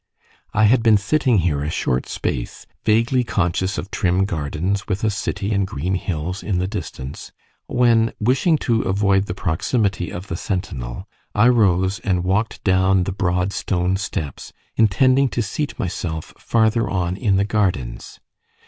I had been sitting here a short space, vaguely conscious of trim gardens, with a city and green hills in the distance, when, wishing to avoid the proximity of the sentinel, I rose and walked down the broad stone steps, intending to seat myself farther on in the gardens.